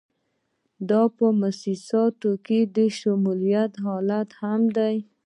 دا په موسساتو کې د شمولیت حالت هم دی.